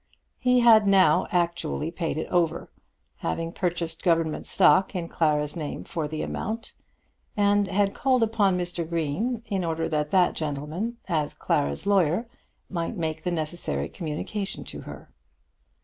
He had now actually paid it over, having purchased government stock in Clara's name for the amount, and had called upon Mr. Green, in order that that gentleman, as Clara's lawyer, might make the necessary communication to her.